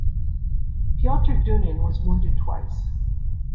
Piotr Dunin was wounded twice.